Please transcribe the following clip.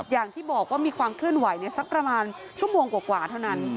อย่างที่บอกว่ามีความเคลื่อนไหวสักประมาณชั่วโมงกว่าเท่านั้น